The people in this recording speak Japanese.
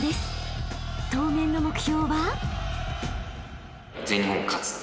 ［当面の目標は？］